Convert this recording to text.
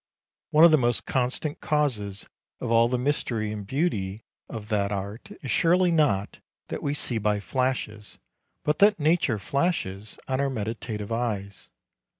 One of the most constant causes of all the mystery and beauty of that art is surely not that we see by flashes, but that nature flashes on our meditative eyes.